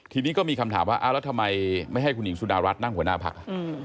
ทีนี้ก็มีคำถามว่าแล้วทำไมไม่ให้คุณหญิงสุดารัฐนั่งหัวหน้าพัก